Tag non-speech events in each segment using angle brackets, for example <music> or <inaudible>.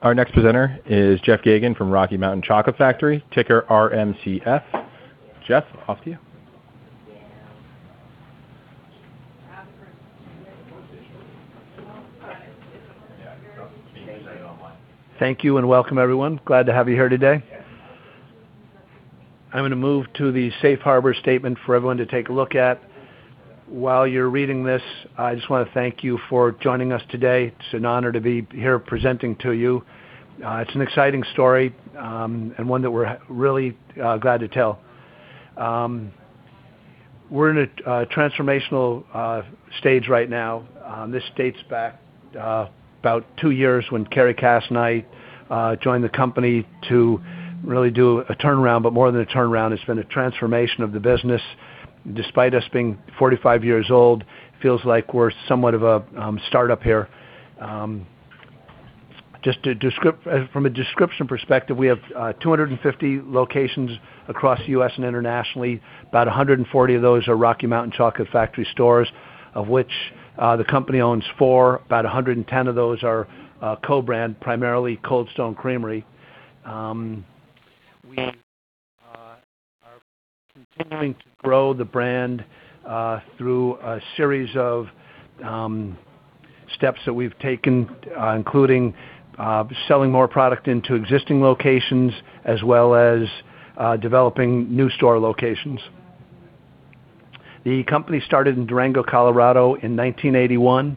Our next presenter is Jeff Geygan from Rocky Mountain Chocolate Factory, ticker RMCF. Jeff, off to you. Thank you, welcome everyone. Glad to have you here today. I'm going to move to the safe harbor statement for everyone to take a look at. While you're reading this, I just want to thank you for joining us today. It's an honor to be here presenting to you. It's an exciting story, and one that we're really glad to tell. We're in a transformational stage right now. This dates back about two years when Carrie Cass and I joined the company to really do a turnaround, but more than a turnaround, it's been a transformation of the business. Despite us being 45 years old, it feels like we're somewhat of a startup here. From a description perspective, we have 250 locations across the U.S. and internationally. About 140 of those are Rocky Mountain Chocolate Factory stores, of which the company owns four. About 110 of those are co-brand, primarily Cold Stone Creamery. We are continuing to grow the brand through a series of steps that we've taken including selling more product into existing locations, as well as developing new store locations. The company started in Durango, Colorado in 1981.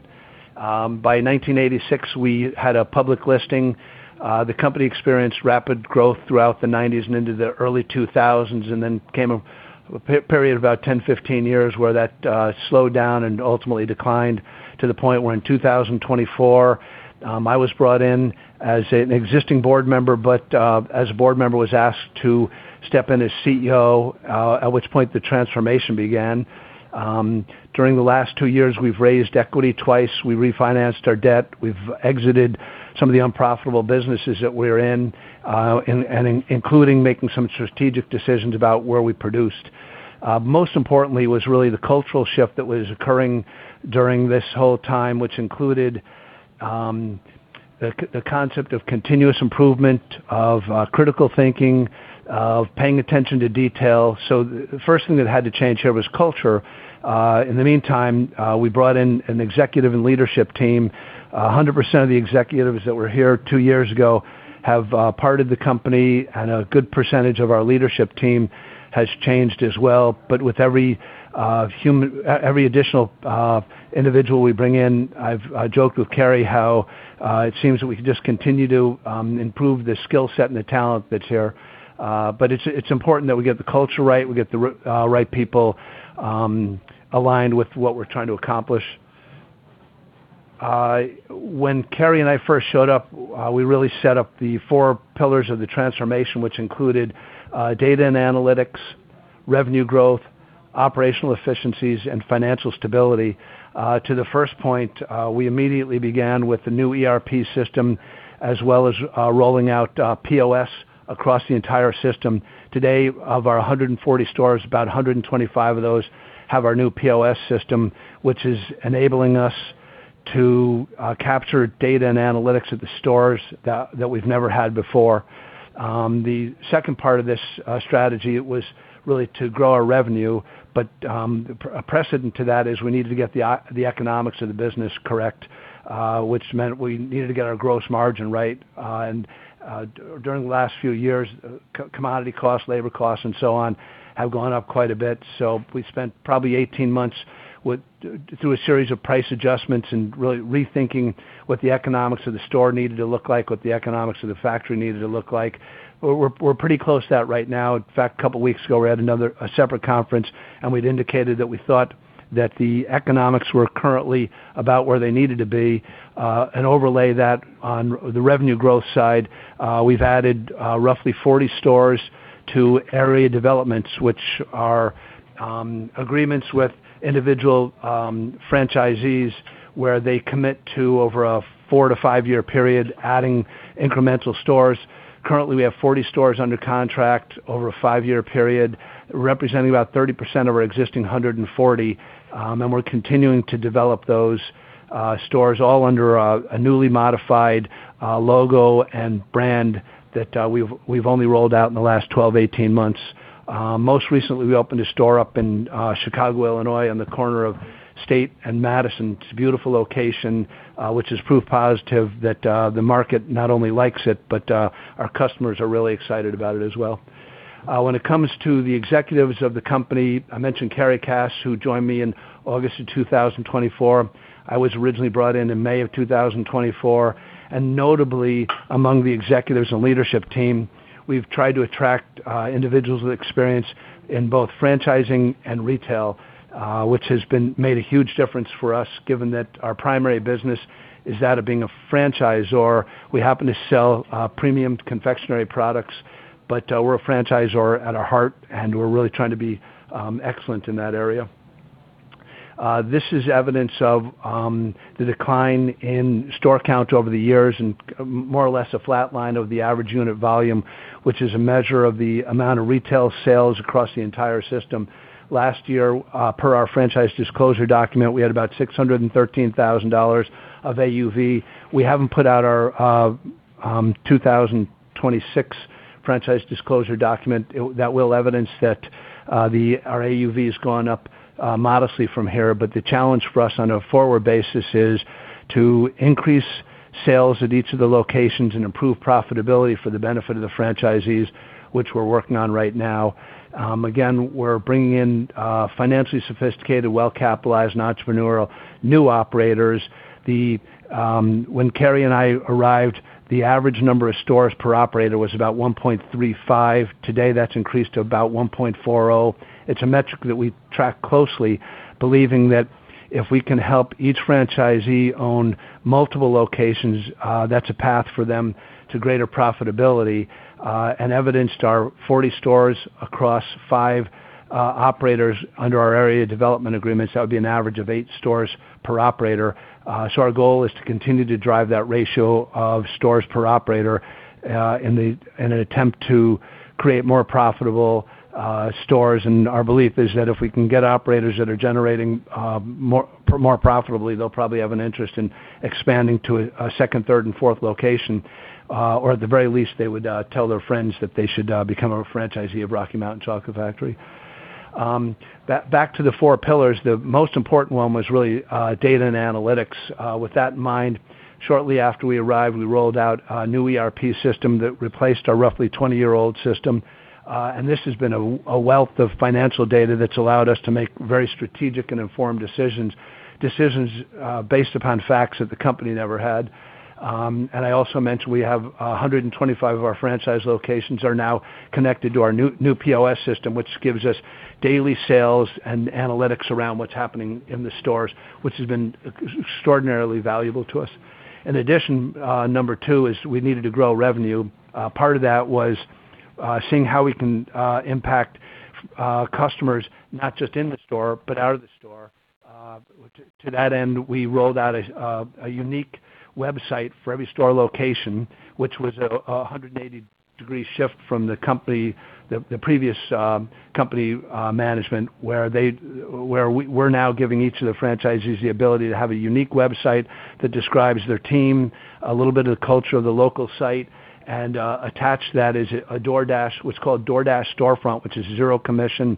By 1986, we had a public listing. The company experienced rapid growth throughout the 90s and into the early 2000s, then came a period of about 10, 15 years where that slowed down and ultimately declined to the point where in 2024, I was brought in as an existing board member. As a board member, was asked to step in as CEO, at which point the transformation began. During the last two years, we've raised equity twice. We refinanced our debt. We've exited some of the unprofitable businesses that we were in, including making some strategic decisions about where we produced. Most importantly was really the cultural shift that was occurring during this whole time, which included the concept of continuous improvement of critical thinking, of paying attention to detail. The first thing that had to change here was culture. In the meantime, we brought in an executive and leadership team. 100% of the executives that were here two years ago have parted the company, a good percentage of our leadership team has changed as well. With every additional individual we bring in, I've joked with Carrie how it seems that we can just continue to improve the skill set and the talent that's here. It's important that we get the culture right, we get the right people aligned with what we're trying to accomplish. When Carrie and I first showed up, we really set up the four pillars of the transformation, which included data and analytics, revenue growth, operational efficiencies, and financial stability. To the first point, we immediately began with the new ERP system, as well as rolling out POS across the entire system. Today, of our 140 stores, about 125 of those have our new POS system, which is enabling us to capture data and analytics at the stores that we've never had before. A precedent to that is we needed to get the economics of the business correct, which meant we needed to get our gross margin right. During the last few years, commodity costs, labor costs, and so on, have gone up quite a bit. We spent probably 18 months through a series of price adjustments and really rethinking what the economics of the store needed to look like, what the economics of the factory needed to look like. We're pretty close to that right now. In fact, a couple of weeks ago, we had a separate conference, and we'd indicated that we thought that the economics were currently about where they needed to be, and overlay that on the revenue growth side. We've added roughly 40 stores to area developments, which are agreements with individual franchisees where they commit to over a four to five-year period, adding incremental stores. Currently, we have 40 stores under contract over a five-year period, representing about 30% of our existing 140. We're continuing to develop those stores all under a newly modified logo and brand that we've only rolled out in the last 12, 18 months. Most recently, we opened a store up in Chicago, Illinois on the corner of State and Madison. It's a beautiful location, which is proof positive that the market not only likes it, but our customers are really excited about it as well. When it comes to the executives of the company, I mentioned Carrie Cass, who joined me in August of 2024. I was originally brought in in May of 2024, and notably among the executives and leadership team, we've tried to attract individuals with experience in both franchising and retail, which has made a huge difference for us given that our primary business is that of being a franchisor. We happen to sell premium confectionary products, but we're a franchisor at our heart, and we're really trying to be excellent in that area. This is evidence of the decline in store count over the years and more or less a flat line of the average unit volume, which is a measure of the amount of retail sales across the entire system. Last year, per our Franchise Disclosure Document, we had about $613,000 of AUV. We haven't put out our 2026 Franchise Disclosure Document that will evidence that our AUV has gone up modestly from here. The challenge for us on a forward basis is to increase sales at each of the locations and improve profitability for the benefit of the franchisees, which we're working on right now. Again, we're bringing in financially sophisticated, well-capitalized, and entrepreneurial new operators. When Carrie and I arrived, the average number of stores per operator was about 1.35. Today, that's increased to about 1.40. It's a metric that we track closely, believing that if we can help each franchisee own multiple locations, that's a path for them to greater profitability. Evidenced are 40 stores across five operators under our area development agreements. That would be an average of eight stores per operator. Our goal is to continue to drive that ratio of stores per operator in an attempt to create more profitable stores. Our belief is that if we can get operators that are generating more profitably, they'll probably have an interest in expanding to a second, third, and fourth location. Or at the very least, they would tell their friends that they should become a franchisee of Rocky Mountain Chocolate Factory. Back to the four pillars, the most important one was really data and analytics. With that in mind, shortly after we arrived, we rolled out a new ERP system that replaced our roughly 20-year-old system. This has been a wealth of financial data that's allowed us to make very strategic and informed decisions based upon facts that the company never had. I also mentioned we have 125 of our franchise locations are now connected to our new POS system, which gives us daily sales and analytics around what's happening in the stores, which has been extraordinarily valuable to us. In addition, number two is we needed to grow revenue. Part of that was seeing how we can impact customers, not just in the store, but out of the store. To that end, we rolled out a unique website for every store location, which was a 180-degree shift from the previous company management, where we're now giving each of the franchisees the ability to have a unique website that describes their team, a little bit of the culture of the local site, and attached to that is what's called DoorDash Storefront, which is zero commission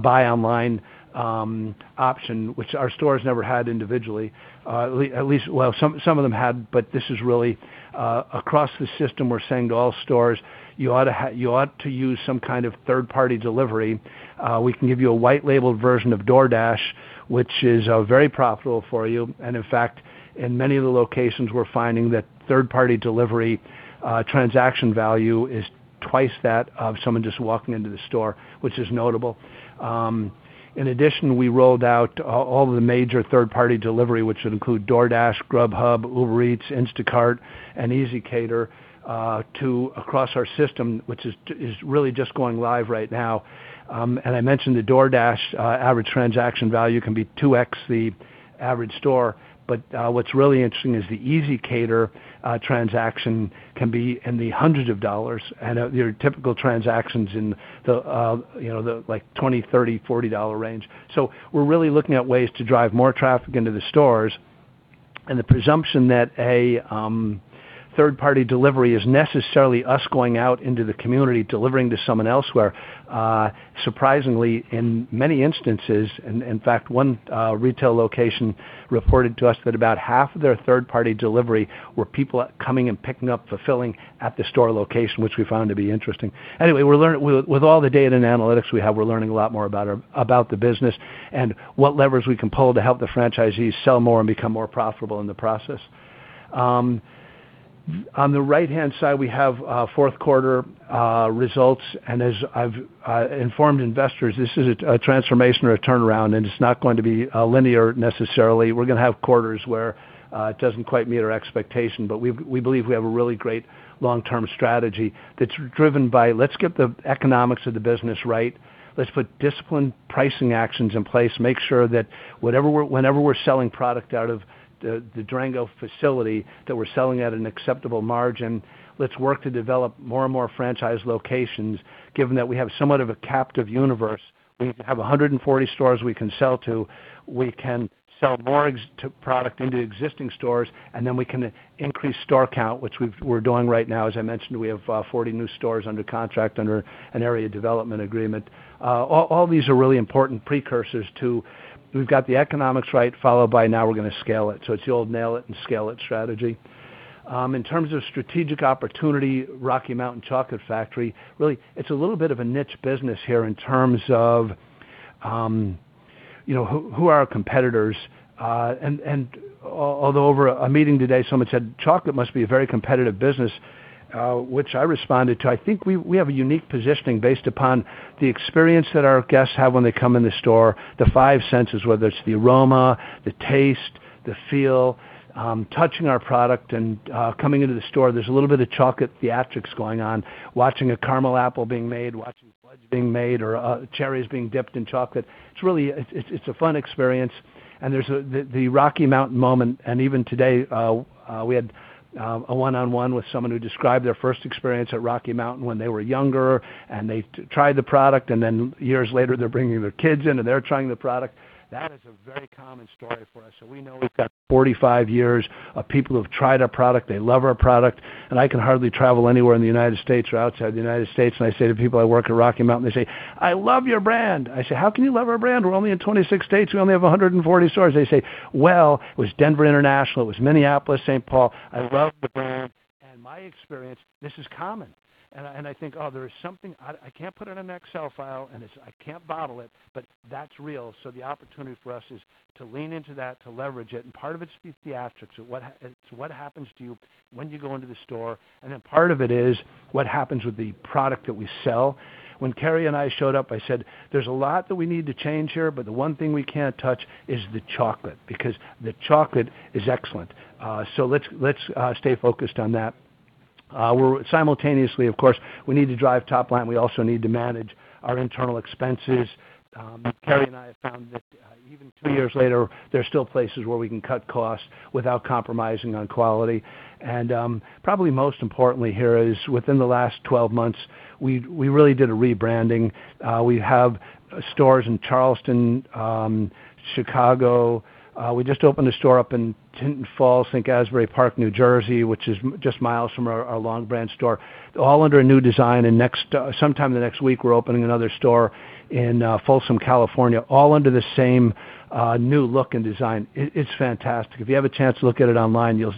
buy online option, which our stores never had individually. At least, well, some of them had, but this is really across the system, we're saying to all stores, "You ought to use some kind of third-party delivery. We can give you a white labeled version of DoorDash, which is very profitable for you." In fact, in many of the locations, we're finding that third-party delivery transaction value is twice that of someone just walking into the store, which is notable. In addition, we rolled out all the major third-party delivery, which would include DoorDash, Grubhub, Uber Eats, Instacart, and ezCater, to across our system, which is really just going live right now. I mentioned the DoorDash average transaction value can be 2X the average store. What's really interesting is the ezCater transaction can be in the hundreds of dollars, and your typical transaction's in the $20, $30, $40 range. We're really looking at ways to drive more traffic into the stores, and the presumption that a third-party delivery is necessarily us going out into the community delivering to someone elsewhere. Surprisingly, in many instances, in fact, one retail location reported to us that about half of their third-party delivery were people coming and picking up, fulfilling at the store location, which we found to be interesting. With all the data and analytics we have, we're learning a lot more about the business and what levers we can pull to help the franchisees sell more and become more profitable in the process. On the right-hand side, we have fourth quarter results. As I've informed investors, this is a transformation or a turnaround, and it's not going to be linear necessarily. We're going to have quarters where it doesn't quite meet our expectation, but we believe we have a really great long-term strategy that's driven by let's get the economics of the business right. Let's put disciplined pricing actions in place, make sure that whenever we're selling product out of the Durango facility, that we're selling at an acceptable margin. Let's work to develop more and more franchise locations, given that we have somewhat of a captive universe. We have 140 stores we can sell to. We can sell more product into existing stores, then we can increase store count, which we're doing right now. As I mentioned, we have 40 new stores under contract under an area development agreement. All these are really important precursors to we've got the economics right, followed by now we're going to scale it. It's the old nail it and scale it strategy. In terms of strategic opportunity, Rocky Mountain Chocolate Factory, really, it's a little bit of a niche business here in terms of who are our competitors. Although over a meeting today, someone said, "Chocolate must be a very competitive business," which I responded to, I think we have a unique positioning based upon the experience that our guests have when they come in the store, the five senses, whether it's the aroma, the taste. The feel, touching our product and coming into the store. There's a little bit of chocolate theatrics going on, watching a caramel apple being made, watching fudge being made or cherries being dipped in chocolate. It's a fun experience. There's the Rocky Mountain moment, and even today, we had a one-on-one with someone who described their first experience at Rocky Mountain when they were younger, and they tried the product, then years later, they're bringing their kids in and they're trying the product. That is a very common story for us. We know we've got 45 years of people who've tried our product. They love our product, and I can hardly travel anywhere in the United States or outside the United States, and I say to people, "I work at Rocky Mountain." They say, "I love your brand." I say, "How can you love our brand? We're only in 26 states. We only have 140 stores." They say, "Well, it was Denver International. It was Minneapolis, St. Paul. I love the brand," and my experience, this is common. I think, oh, there is something. I can't put it in an Excel file, and I can't bottle it, but that's real. The opportunity for us is to lean into that, to leverage it, and part of it's the theatrics. It's what happens to you when you go into the store. Then part of it is what happens with the product that we sell. When Carrie and I showed up, I said, "There's a lot that we need to change here, but the one thing we can't touch is the chocolate, because the chocolate is excellent. Let's stay focused on that." Simultaneously, of course, we need to drive top line. We also need to manage our internal expenses. Carrie and I have found that even two years later, there are still places where we can cut costs without compromising on quality. Probably most importantly here is within the last 12 months, we really did a rebranding. We have stores in Charleston, Chicago. We just opened a store up in Tinton Falls, I think Asbury Park, New Jersey, which is just miles from our Long Branch store, all under a new design. Sometime in the next week, we're opening another store in Folsom, California, all under the same new look and design. It's fantastic. If you have a chance to look at it online, and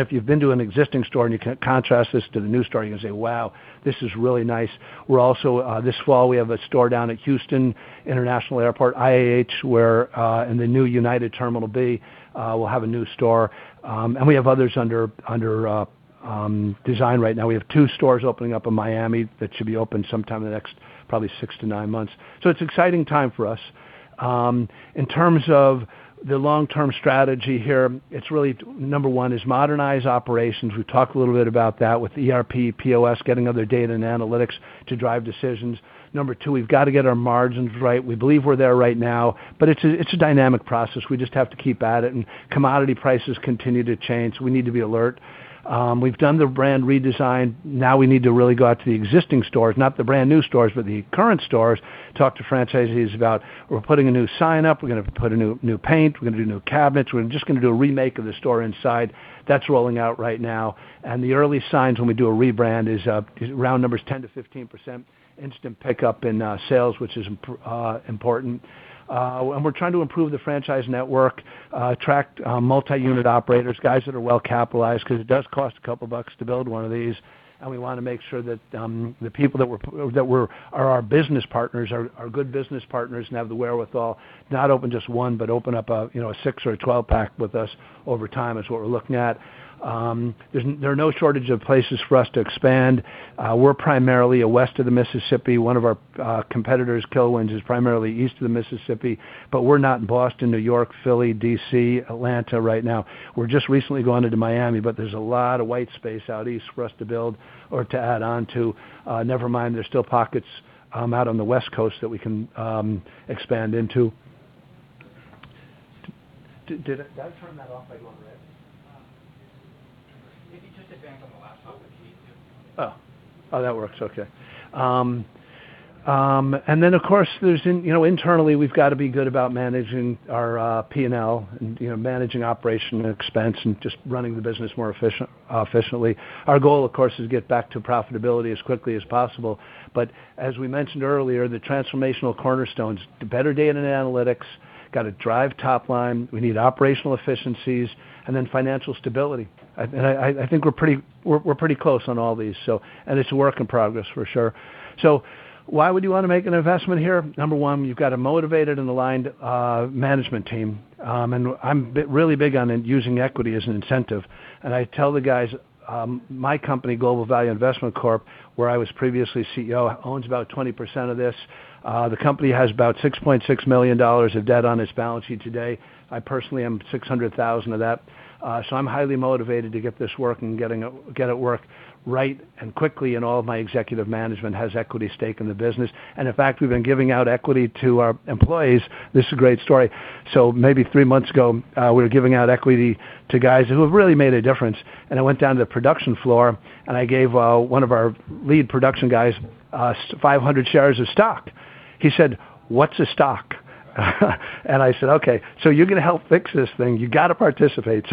if you've been to an existing store and you contrast this to the new store, you're going to say, "Wow, this is really nice." This fall, we have a store down at Houston International Airport, IAH. In the new United Terminal B, we'll have a new store. We have others under design right now. We have two stores opening up in Miami that should be open sometime in the next, probably six to nine months. It's an exciting time for us. In terms of the long-term strategy here, it's really, number one, is modernize operations. We talked a little bit about that with ERP, POS, getting other data and analytics to drive decisions. Number two, we've got to get our margins right. We believe we're there right now, but it's a dynamic process. We just have to keep at it, and commodity prices continue to change, so we need to be alert. We've done the brand redesign. Now we need to really go out to the existing stores, not the brand-new stores, but the current stores. Talk to franchisees about we're putting a new sign up. We're going to put new paint. We're going to do new cabinets. We're just going to do a remake of the store inside. That's rolling out right now. The early signs when we do a rebrand is round numbers, 10%-15% instant pickup in sales, which is important. We're trying to improve the franchise network, attract multi-unit operators, guys that are well-capitalized, because it does cost a couple of bucks to build one of these. We want to make sure that the people that are our business partners are good business partners and have the wherewithal, not open just one, but open up a six or a 12-pack with us over time is what we're looking at. There are no shortage of places for us to expand. We're primarily west of the Mississippi. One of our competitors, Kilwins, is primarily east of the Mississippi. We're not in Boston, New York, Philly, D.C., Atlanta right now. We're just recently going into Miami, but there's a lot of white space out east for us to build or to add on to. Never mind, there's still pockets out on the West Coast that we can expand into. Did I turn that off by going red? If you just hit back on the laptop. Oh, that works. Okay. Internally, we've got to be good about managing our P&L and managing operation and expense and just running the business more efficiently. Our goal, of course, is get back to profitability as quickly as possible. As we mentioned earlier, the transformational cornerstones, the better data and analytics, got to drive top line. We need operational efficiencies and then financial stability. I think we're pretty close on all these. It's a work in progress, for sure. Why would you want to make an investment here? Number one, you've got a motivated and aligned management team. I'm really big on using equity as an incentive. I tell the guys, my company, Global Value Investment Corp., where I was previously CEO, owns about 20% of this. The company has about $6.6 million of debt on its balance sheet today. I personally am $600,000 of that. I'm highly motivated to get this working, get it work right and quickly, and all of my executive management has equity stake in the business. In fact, we've been giving out equity to our employees. This is a great story. Maybe three months ago, we were giving out equity to guys who have really made a difference. I went down to the production floor, and I gave one of our lead production guys 500 shares of stock. He said, "What's a stock?" I said, "Okay. You're going to help fix this thing. You got to participate."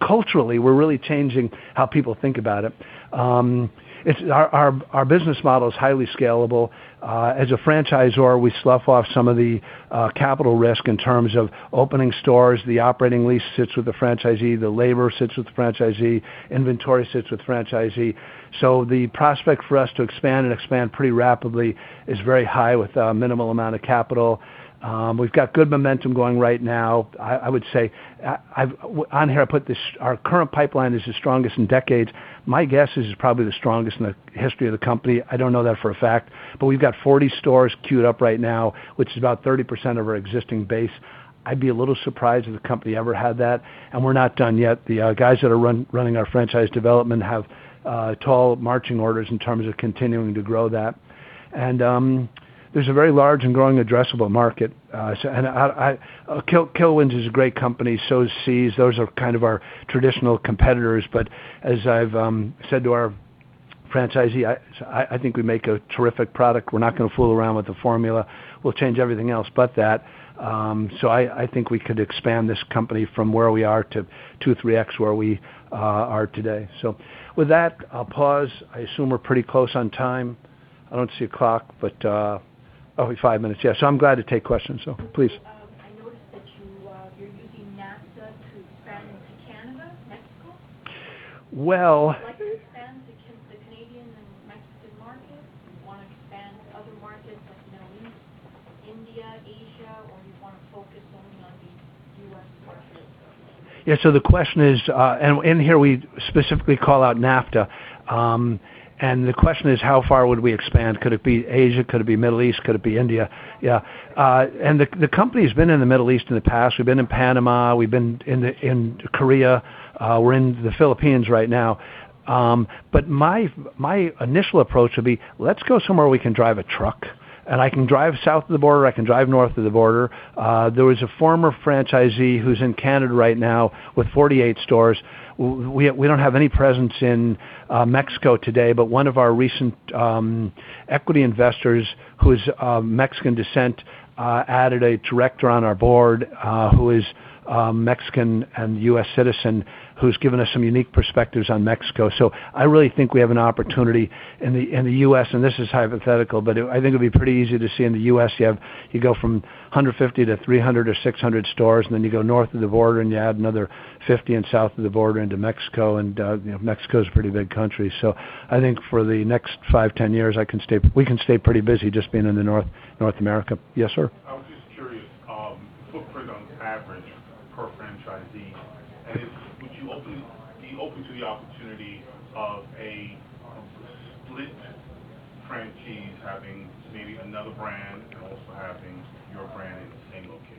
Culturally, we're really changing how people think about it. Our business model is highly scalable. As a franchisor, we slough off some of the capital risk in terms of opening stores. The operating lease sits with the franchisee. The labor sits with the franchisee. Inventory sits with franchisee. The labor sits with the franchisee. Inventory sits with franchisee. The prospect for us to expand and expand pretty rapidly is very high with a minimal amount of capital. We've got good momentum going right now. I would say, on here I put this, our current pipeline is the strongest in decades. My guess is it's probably the strongest in the history of the company. I don't know that for a fact. We've got 40 stores queued up right now, which is about 30% of our existing base. I'd be a little surprised if the company ever had that, and we're not done yet. The guys that are running our franchise development have tall marching orders in terms of continuing to grow that. There's a very large and growing addressable market. Kilwins is a great company, so is See's. Those are kind of our traditional competitors. As I've said to our franchisee, I think we make a terrific product. We're not going to fool around with the formula. We'll change everything else but that. I think we could expand this company from where we are to 2x, 3x where we are today. With that, I'll pause. I assume we're pretty close on time. I don't see a clock. Oh, we have five minutes. Yeah. I'm glad to take questions, so please. I noticed that you're using NAFTA to expand into Canada, Mexico. Well- Would you like to expand the Canadian and Mexican markets? Do you want to expand to other markets like the Middle East, India, Asia, or you want to focus only on the U.S. market? Yeah. The question is, in here, we specifically call out NAFTA. The question is, how far would we expand? Could it be Asia? Could it be Middle East? Could it be India? Yeah. The company's been in the Middle East in the past. We've been in Panama. We've been in Korea. We're in the Philippines right now. My initial approach would be, let's go somewhere we can drive a truck. I can drive south of the border, I can drive north of the border. There was a former franchisee who's in Canada right now with 48 stores. We don't have any presence in Mexico today, but one of our recent equity investors, who is of Mexican descent, added a director on our board, who is Mexican and U.S. citizen, who's given us some unique perspectives on Mexico. I really think we have an opportunity in the U.S., and this is hypothetical, but I think it'll be pretty easy to see in the U.S., you go from 150 to 300 to 600 stores, and then you go north of the border, and you add another 50 and south of the border into Mexico. Mexico is a pretty big country. I think for the next five, 10 years, we can stay pretty busy just being in North America. Yes, sir. I was just curious, footprint on average per franchisee, and would you be open to the opportunity of a split franchisee having maybe another brand and also having your brand in the same location?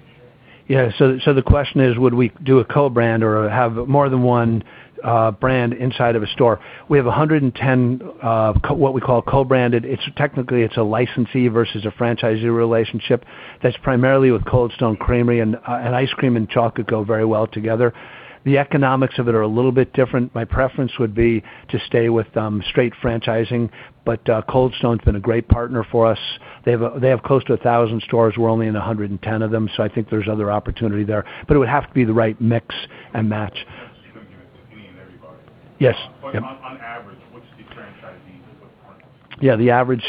Yeah. The question is, would we do a co-brand or have more than one brand inside of a store? We have 110, what we call co-branded. Technically, it's a licensee versus a franchisee relationship. That's primarily with Cold Stone Creamery, and ice cream and chocolate go very well together. The economics of it are a little bit different. My preference would be to stay with straight franchising, but Cold Stone's been a great partner for us. They have close to 1,000 stores. We're only in 110 of them, so I think there's other opportunity there. It would have to be the right mix and match. I'm just giving you an opinion there, you got it. Yes. On average, what's the franchisee footprint? Yeah, the average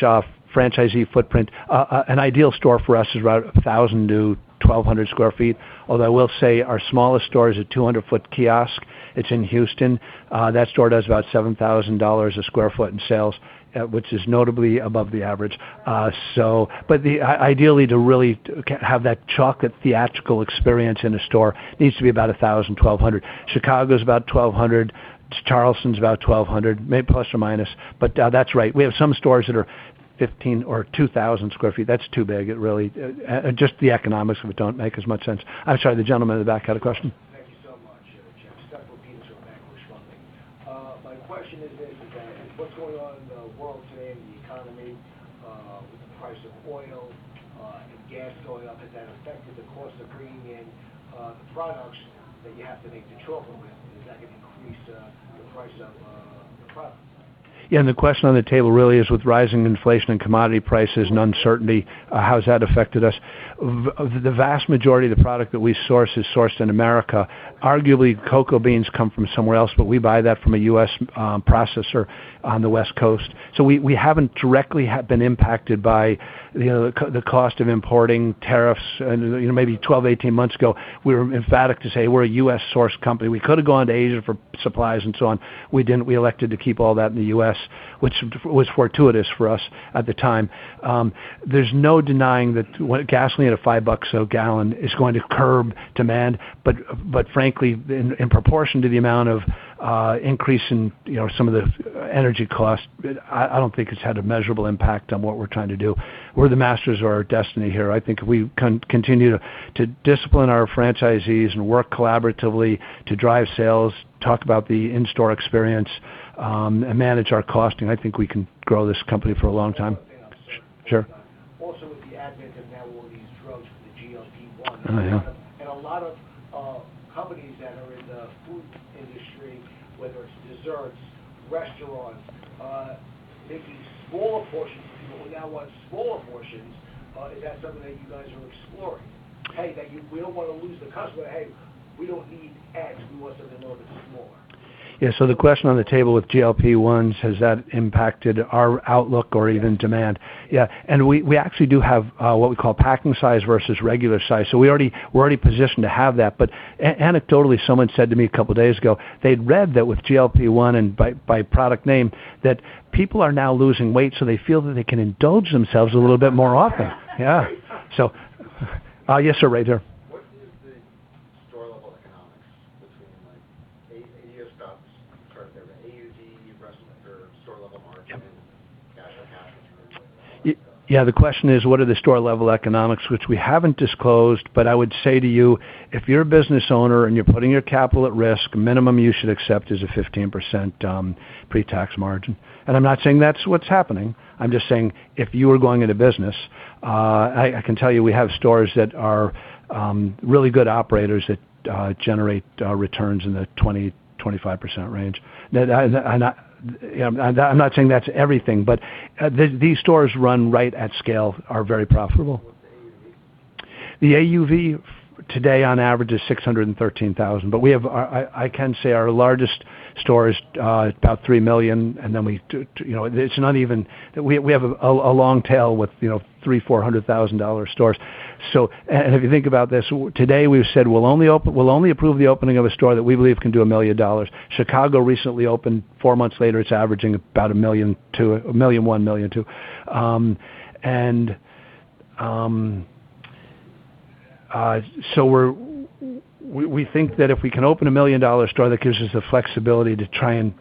franchisee footprint. An ideal store for us is around 1,000 to 1,200 square feet, although I will say our smallest store is a 200-foot kiosk. It's in Houston. That store does about $7,000 a square foot in sales, which is notably above the average. Ideally, to really have that chocolate theatrical experience in a store needs to be about 1,000, 1,200. Chicago is about 1,200. Charleston's about 1,200, maybe plus or minus. That's right. We have some stores that are 15 or 2,000 square feet. That's too big. Just the economics of it don't make as much sense. I'm sorry, the gentleman in the back had a question. <audio distortion> My question is this, is that with what's going on in the world today, with the economy, with the price of oil and gas going up, has that affected the cost of bringing in the products that you have to make the chocolate with? Has that increased the price of the products? Yeah. The question on the table really is with rising inflation and commodity prices and uncertainty, how has that affected us? The vast majority of the product that we source is sourced in America. Arguably, cocoa beans come from somewhere else, but we buy that from a U.S. processor on the West Coast. We haven't directly been impacted by the cost of importing tariffs. Maybe 12, 18 months ago, we were emphatic to say we're a U.S.-sourced company. We could have gone to Asia for supplies and so on. We didn't. We elected to keep all that in the U.S., which was fortuitous for us at the time. There's no denying that gasoline at $5 a gallon is going to curb demand. Frankly, in proportion to the amount of increase in some of the energy costs, I don't think it's had a measurable impact on what we're trying to do. We're the masters of our destiny here. I think if we continue to discipline our franchisees and work collaboratively to drive sales, talk about the in-store experience, and manage our costing, I think we can grow this company for a long time. One other thing I'm-- Sure. <audio distortion> Also, with the advent of now all these drugs, the GLP-1-- Oh, yeah A lot of companies that are in the food industry, whether it's desserts, restaurants, making smaller portions. People now want smaller portions. Is that something that you guys are exploring? Hey, that we don't want to lose the customer. Hey, we don't need X. We want something a little bit smaller. Yeah. The question on the table with GLP-1s, has that impacted our outlook or even demand? Yes. Yeah. We actually do have what we call packing size versus regular size. We're already positioned to have that. Anecdotally, someone said to me a couple of days ago they'd read that with GLP-1 and by product name, that people are now losing weight, so they feel that they can indulge themselves a little bit more often. Yeah. Yes, sir, right here. <audio distortion> What is the store-level economics between, like, Asia stocks, sorry, the AUV versus your store-level margin and cash on cash and The question is, what are the store-level economics, which we haven't disclosed. I would say to you, if you're a business owner and you're putting your capital at risk, minimum you should accept is a 15% pre-tax margin. I'm not saying that's what's happening. I'm just saying if you were going into business, I can tell you we have stores that are really good operators that generate returns in the 20%-25% range. I'm not saying that's everything, but these stores run right at scale are very profitable. The AUV today on average is $613,000. I can say our largest store is about $3 million. We have a long tail with three $400,000 stores. If you think about this, today, we've said we'll only approve the opening of a store that we believe can do $1 million. Chicago recently opened. Four months later, it's averaging about $1.1 million, $1.2 million. We think that if we can open a $1 million store, that gives us the flexibility to try and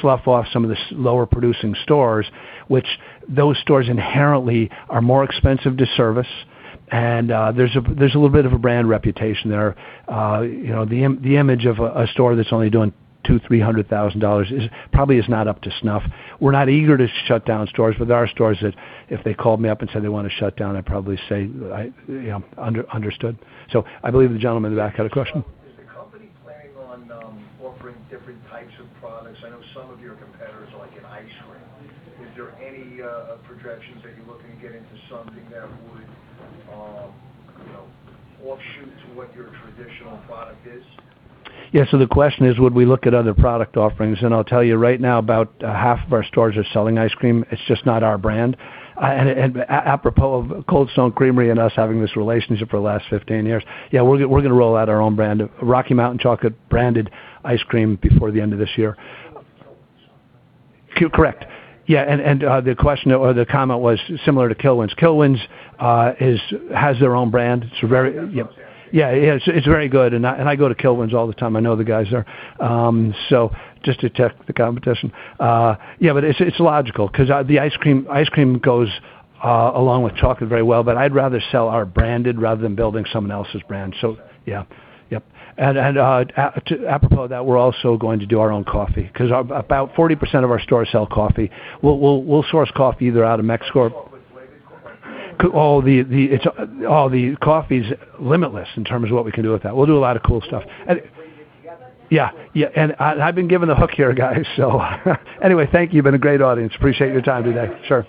slough off some of the lower producing stores, which those stores inherently are more expensive to service. There's a little bit of a brand reputation there. The image of a store that's only doing $200,000, $300,000 probably is not up to snuff. We're not eager to shut down stores, but there are stores that if they called me up and said they want to shut down, I'd probably say, "Understood." I believe the gentleman in the back had a question. Is the company planning on offering different types of products? I know some of your competitors are like in ice cream. Is there any projections that you're looking to get into something that would offshoot to what your traditional product is? The question is, would we look at other product offerings? I'll tell you right now, about half of our stores are selling ice cream. It's just not our brand. Apropos of Cold Stone Creamery and us having this relationship for the last 15 years, we're going to roll out our own brand of Rocky Mountain Chocolate branded ice cream before the end of this year. Similar to Kilwins? Correct. Yeah. The comment was similar to Kilwins. Kilwins has their own brand. It's very good. I go to Kilwins all the time. I know the guys there. Just to check the competition. It's logical because ice cream goes along with chocolate very well. I'd rather sell our branded rather than building someone else's brand. Okay. Yeah. Yep. Apropos that we're also going to do our own coffee, because about 40% of our stores sell coffee. We'll source coffee either out of Mexico. Oh, the coffee's limitless in terms of what we can do with that. We'll do a lot of cool stuff. Yeah. I've been given the hook here, guys. Anyway, thank you. You've been a great audience. Appreciate your time today. Sure.